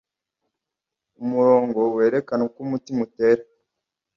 umurongo werekana uko umutima utera